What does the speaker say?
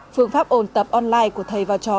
phương pháp ồn tập online của thầy vào trò